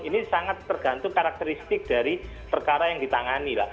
ini sangat tergantung karakteristik dari perkara yang ditangani lah